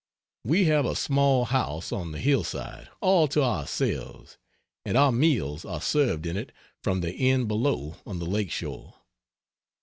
We have a small house on the hillside all to ourselves, and our meals are served in it from the inn below on the lake shore.